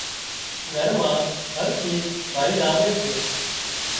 گھر مان هر شيز ڀائي لاوي سي